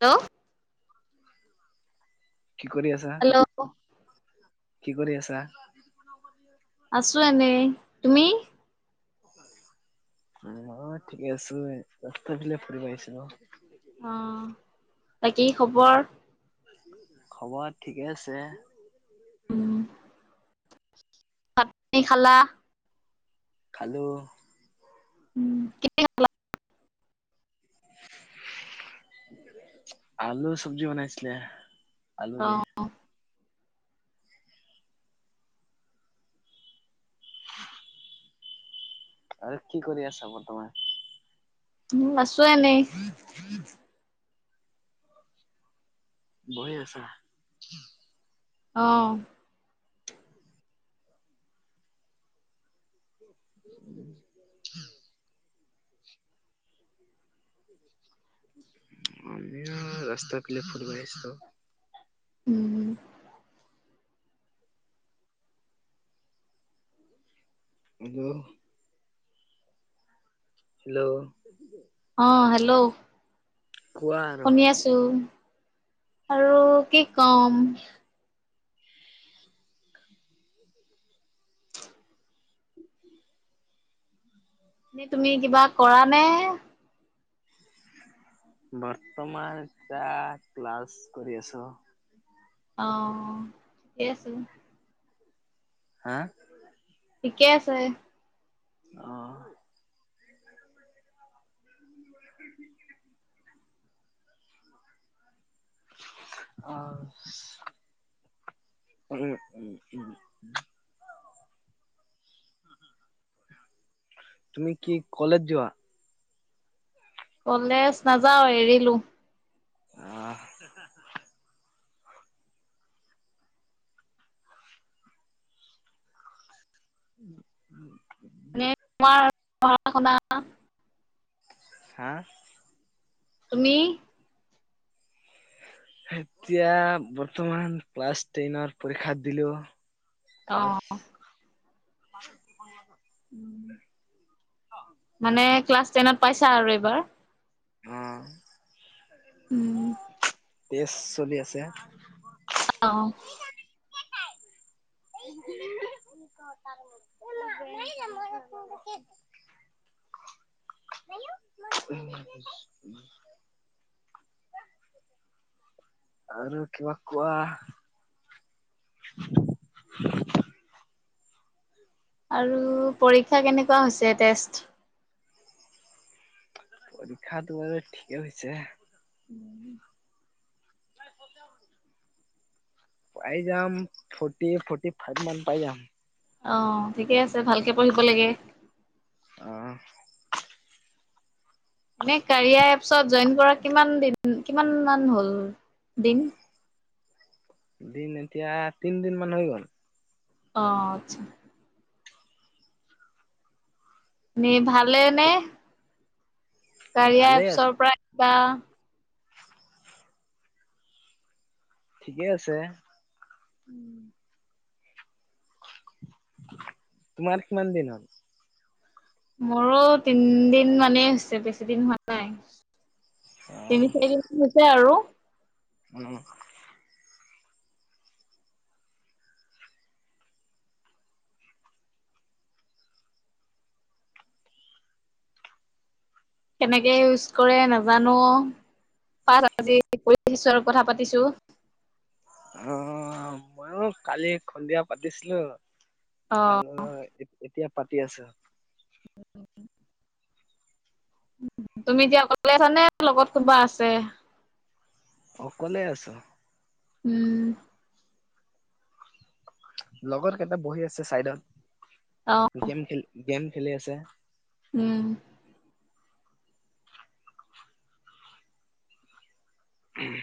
Hello. কি কৰি আছা? হেল্ল' কি কৰি আছা? আছো এনে, তুমি? মই ঠিকে আছো, ৰাস্তাফালে ফুৰিব আহিছিলো। অ', বাকী খবৰ? খবৰ ঠিকে আছে? উ, ভাত [unintelligible] খালা? খালো। উম, [unintelligible] আলু চব্জি বনাইছিলে। আলু দি। অ' আৰু কি কৰি আছা বৰ্তমান? উম, আছোঁ এনে বহি আছা? অ'। [inaudible] এয়া ৰাস্তা পেনে ফুৰিব আহিছোঁ। উম হম। হেল্ল'। হেল্ল'। অ', হেল্ল' কোৱা আৰু। শুনি আছো। আৰু কি কম এ, তুমি কিবা কৰা নে? বৰ্তমান এটা ক্লাছ কৰি আছোঁ। অ', ঠিকেই আছে। হাঁ ঠিকেই আছে‌এ অ' অ' উম, উম, উম, উম তুমি কি কলেজ যোৱা? কলেজ নাযাওঁ এৰিলো। [inaudible] উ উ এনে তোমাৰ পঢ়া শুনা? হাঁ তুমি এতিয়া বৰ্তমান ক্লাছ টেনৰ পৰীক্ষা দিলোঁ। অ' [inaudible] মানে ক্লাছ টেনত পাইছা আৰু এইবাৰ? অ' উম টেষ্ট চলি আছে। অ' [inaudible] [inaudible] [inaudible] আৰু কিবা কোৱা। [inaudible] আৰু পৰীক্ষা কেনেকুৱা হৈছে টেষ্ট? পৰীক্ষাটো বাৰু ঠিকেই হৈছে উম। [inaudible] পাই যাম, ফৰ্টি, ফৰ্টি ফাইভ মান পাই যাম। অ', ঠিকে আছে ভালকে পঢ়িব লাগে। আহ। এনে কাৰিয়া ত জইন কৰা কিমান দিন কিমান মান হ'ল দিন। দিন এতিয়া তিনদিন মান হৈ গ'ল। অ', আচ্ছা। নি ভালে নে? কাৰিয়া ভালে আছে এপছৰ পৰা কিবা ঠিকেই আছে। উম তোমাৰ কিমান দিন হ'ল? মোৰো তিনদিন মানেই হৈছে, বেছি দিন হোৱা নাই। অ তিনি চাৰিদিন হৈছে আৰু উ কেনেকে ইউজ কৰে নাজানো আও [unintelligible] আৰু কথা পাতিছোঁ। অ', মই ও কালি সন্ধিয়া পাতিছিলো। অঁ আৰু এতিয়া পাতি আছোঁ। উ। তুমি এতিয়া অকলে আছা নে লগত কোনোবা আছে? অকলে আছো। উম। লগৰ কেইটা বহি আছে অঁ চাইডত কেম খেলি। গেম খেলি আছে। উম। উম।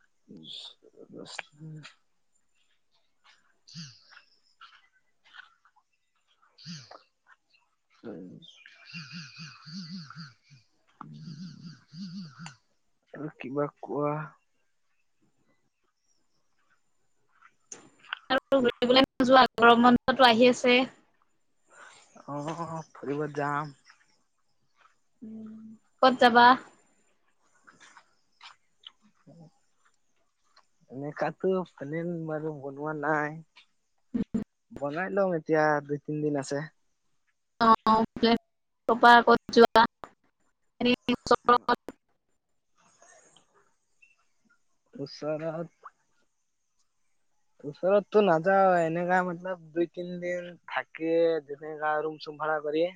[unintelligible] হম। উ। [unintelligible] কিবা কোৱা। ৰিব [unintelligible] নোযোৱা আগৰ বন্ধটো আহি আছে অ', ফুৰিব যাম। ক'ত যাবা? হয় [unintelligible] এনেকাতো প্লেন বাৰু বনোৱা নাই। উ [unintelligible] বনাই লম এতিয়া দুই তিন দিন আছে। অ', প আত যোৱা [unintelligible] [inaudible] ওচৰত ওচৰতটো নাযাওঁ এনেকা মতলব দুই তিনদিন থাকি [unintelligible] ৰুম চুম ভাড়া কৰি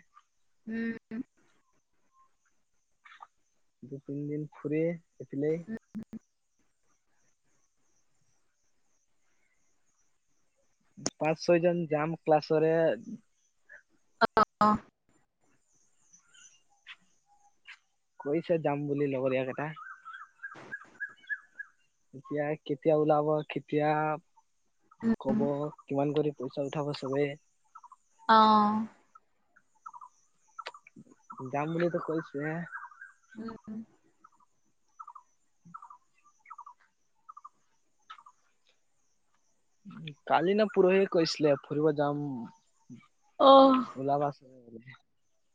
দুই তিনি দিন ফুৰি এফিলে পাঁচ ছয় জন যাম ক্লাছৰে অ'। কৈছে যাম বুলি লগৰীয়াকেইটা। এতিয়া কেতিয়া ওলাব কেতিয়া কব কিমান কৰি? পইচা উঠাব চবে অ'। যাম বুলিতো কৈছো‌য়ে। উম। [inaudible] কালি না পৰহিয়ে কৈছিলে ফুৰিব যাম অহ। [inaudible]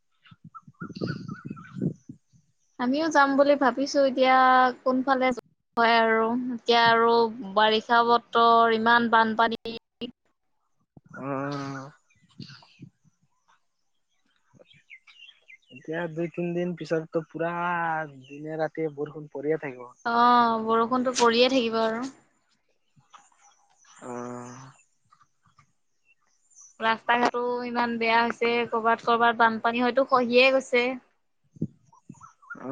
[inaudible] আমিও যাম বুলি ভাবিছো এতিয়া কোনফালে হয় আৰু এতিয়া আৰু বাৰিষা বতৰ ইমান বানপানী উম। এতিয়া দুই তিন দিন পিছততো পুৰা দিনে ৰাতিয়ে বৰষুণ পৰিয়ে থাকিব অ', বৰষুণটো পৰিয়ে থাকিব আৰু। অ'। ৰাস্তা ঘাটো ইমান বেয়া হৈছে ক'ৰবাত ক'ৰবাত বান পানী হয়তো খহিয়ে গৈছে। অ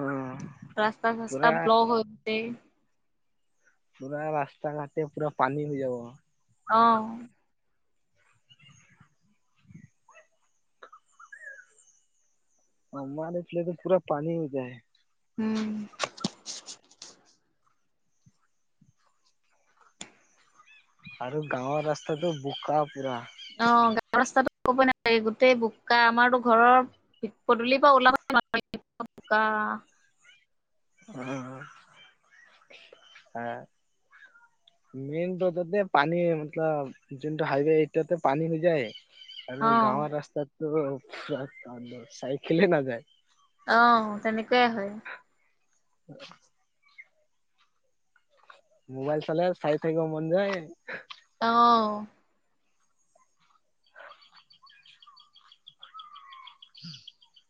ৰাস্তা পুৰা চাস্তা ব্লক হৈছে। পুৰা ৰাস্তা ঘাটে পুৰা পানী হৈ যাব। অ'। আমাৰ এইফালেতো পুৰা পানী হৈ যায়। উম। আৰু গাঁৱৰ ৰাস্তাটো বোকা পুৰা। অ', গাঁৱৰ ৰাস্তাটো ক'বই নালাগে গোটেই বোকা আমাৰতো ঘৰৰ পদূলিৰ পৰা ওলাব [unintelligible] বোকা উম, হা মেইন ৰোডতে পানী মতলব যোনটো হাইৱে এইটোতে পানী হৈ যায় অ আৰু গাঁৱৰ ৰাস্তাতটো চাইকেলে নাযায় অ', তেনেকুৱাই হয়। [unintelligible] মোবাইল চালে চাই থাকিব মন যায় অ'। [inaudible]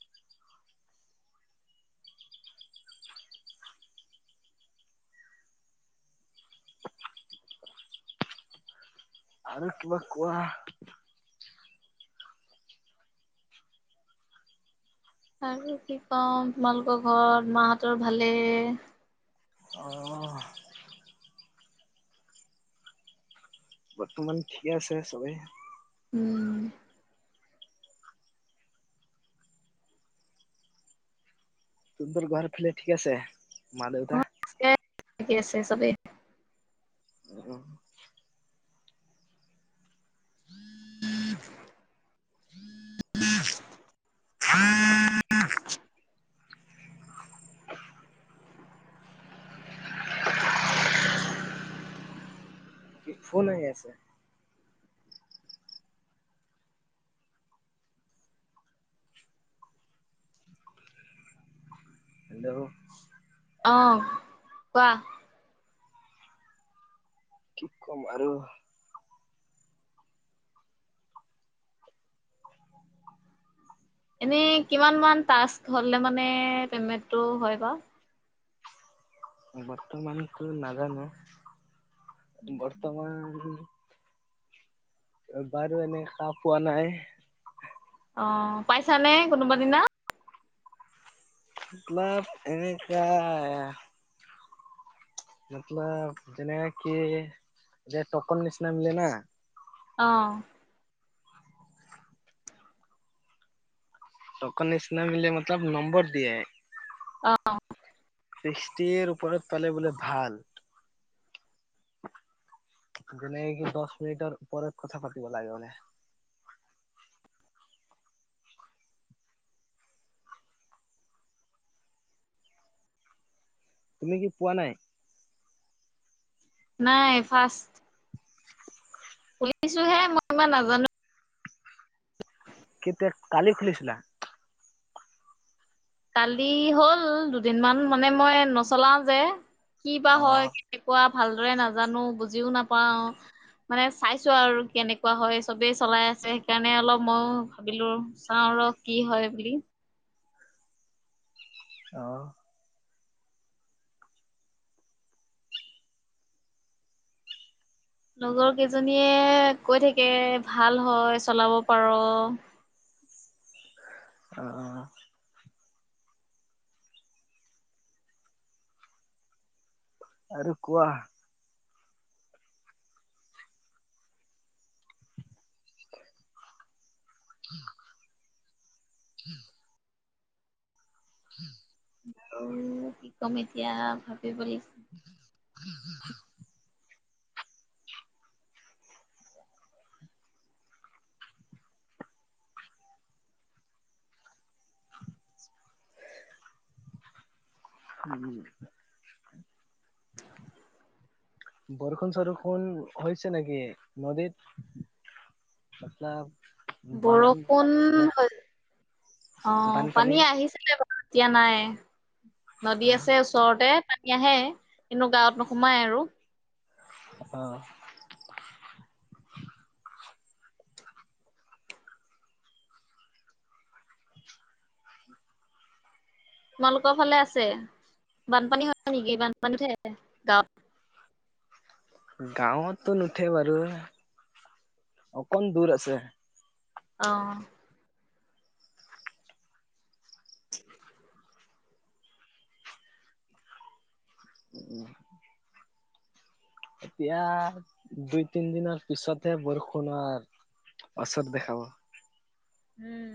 আৰু কিবা কোৱা। আৰু কি কওঁ, তোমালোকৰ ঘৰত মাহঁতৰ ভালে? অ'। বৰ্তমান ঠিকে আছে চবেই। উম। তহঁতৰ ঘৰ ফালে ঠিক আছে মা, দেউতা। ঠিকে আছে চবেই। অ'। কি ফোন আহি আছে? এদ [unintelligible] আহ, কোৱা। কি ক'ম আৰু? এনে কিমান মান টাক্স হ'লে মানে পেমেণ্টটো হয় বাৰু। বৰ্তমানতো নাজানো, বৰ্তমান বাৰু এনে খাহ পোৱা নাই অ', পাইছানে কোনোবা দিনা? মতলব এনেকুৱা মতলব যেনে কি যে টকন নিচিনা মিলে না আহ। তোকন নিচনা মিলে মতলব নম্বৰ দিয়ে। আহ। ছিক্সটিৰ ওপৰত পালে বোলে ভাল। যেনে কি দহ মিনিটৰ ওপৰত কথা পাতিব লাগে বোলে। [inaudible] তুমি কি পোৱা নাই? নাই ফাৰ্ষ্ট শুনিছোঁ হে মই ইমান নাজানো। কেতিয়া কালি খুলিছিলা? কালি হ'ল দুদিনমান মানে মই নচলাও যে। কি বা অ হয় কেনেকুৱা ভালদৰে নাজানো বুজিও নাপাও মানে চাইছো আৰু কেনেকুৱা হয় চবেই চলাই আছে সেইকাৰণে অলপ মইও ভাবিলো চাওঁ কি হয় বুলি? আহ। লগৰ কেইজনীয়ে কৈ থাকে ভাল হয় চলাব পাৰ'। হয়। আহ। আৰু কোৱা। [inaudible] [inaudible] [inaudible] আৰু কি ক'ম এতিয়া ভাবি ব' লাগিছে। [inaudible] [inaudible] উম, বৰষুণ চৰষুণ হৈছে নেকি নদীত? [unintelligible] বৰষুণ বানপানী হৈ অ', বানপানী পানী আহিছিলে বা এতিয়া নাই নদী অ আছে ওচৰতে পানী য়াহে কিন্তু গাঁৱত নোসোমাই আৰু। অ', তোমালোকৰ ফালে আছে বানপানী হয় নেকি বানপানীতহে গাঁৱত? গাঁৱতটো নুঠে বাৰু অকণ দূৰ আছে। অ', উম, এতিয়া দুই তিন দিনৰ পিছতহে বৰষুণৰ অচত দেখাব। উম,